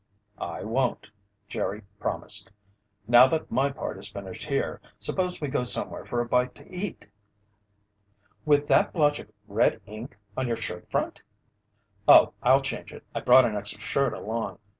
"I won't," Jerry promised. "Now that my part is finished here, suppose we go somewhere for a bite to eat?" "With that blotch of red ink on your shirt front?" "Oh, I'll change it. I brought an extra shirt along.